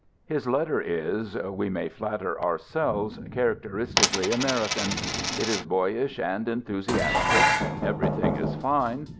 His letter is, we may flatter our selves, characteristically American. It is boyish and enthusiastic. Everything is fine.